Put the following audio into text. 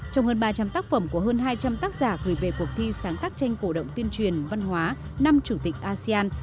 trong hơn ba trăm linh tác phẩm của hơn hai trăm linh tác giả gửi về cuộc thi sáng tác tranh cổ động tuyên truyền văn hóa năm chủ tịch asean